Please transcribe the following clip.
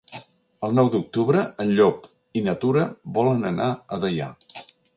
El nou d'octubre en Llop i na Tura volen anar a Deià.